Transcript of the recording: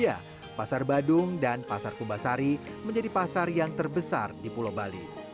iya pasar badung dan pasar kumbasari menjadi pasar yang terbesar di pulau bali